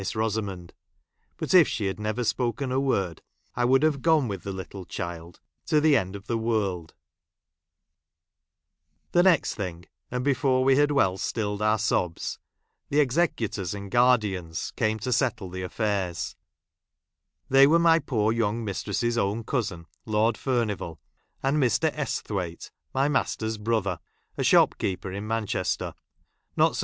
s Rosamond ; but if she had never spoken a word, I would have gone with the little child to the end of the world. The next thing, and before we had well stilled our sobs, the executors and guardians 12 A ROUND OF STORIES BY THE CHRISTMAS FIRE. [Conducted b. ' came to settle the affairs. They were my || poor young mistress's own cousin, Lord |l Furnivall, and Mr. Esthwaite, my master's 1 brother, a shopkeeper in Manchester ; not so 1!